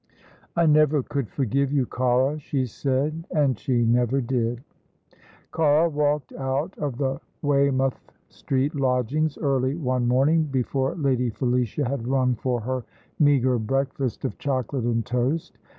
"I never could forgive you, Cara," she said, and she never did. Cara walked out of the Weymouth Street lodgings early one morning, before Lady Felicia had rung for her meagre breakfast of chocolate and toast.